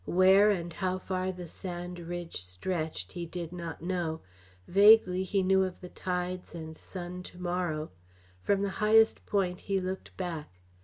Where and how far the sand ridge stretched he did not know. Vaguely he knew of the tides and sun to morrow. From the highest point he looked back.